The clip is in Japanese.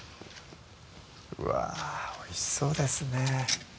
うわぁおいしそうですね